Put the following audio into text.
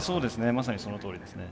まさにそのとおりですね。